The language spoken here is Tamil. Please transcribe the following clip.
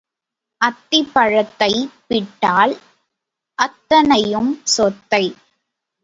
அத்திப் பழத்தைப் பிட்டால் அத்தனையும் சொத்தை.